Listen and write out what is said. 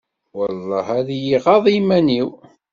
Welleh ar i y-iɣaḍ yiman-iw!